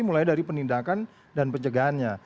mulai dari penindakan dan pencegahannya